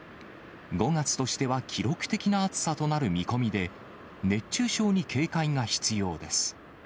５月としては記録的な暑さとなる見込みで、熱中症に警戒が必要です。